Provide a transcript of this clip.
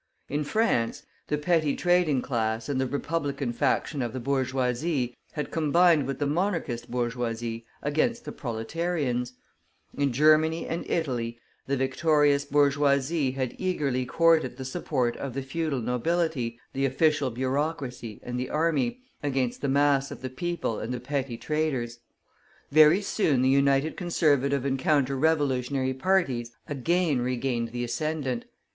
In France, the petty trading class and the Republican faction of the bourgeoisie had combined with the Monarchist bourgeoisie against the proletarians; in Germany and Italy, the victorious bourgeoisie had eagerly courted the support of the feudal nobility, the official bureaucracy, and the army, against the mass of the people and the petty traders. Very soon the united Conservative and Counter Revolutionary parties again regained the ascendant.